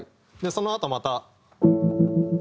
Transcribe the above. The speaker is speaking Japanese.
そのあとまた。